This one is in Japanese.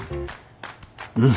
うん。